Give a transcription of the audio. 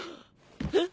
えっ？